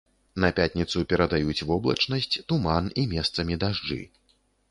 На пятніцу перадаюць воблачнасць, туман і месцамі дажджы.